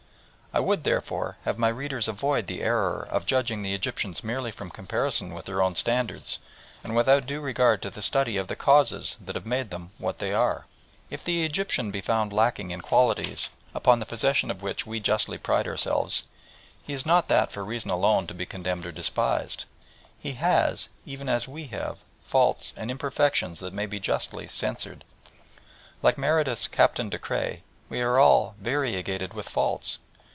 I would, therefore, have my readers avoid the error of judging the Egyptians merely from comparison with their own standards and without due regard to the study of the causes that have made them what they are. If the Egyptian be found lacking in qualities upon the possession of which we justly pride ourselves, he is not for that reason alone to be condemned or despised. He has, even as we have, faults and imperfections that may be justly censured. Like Meredith's Captain de Creye, we are all "variegated with faults."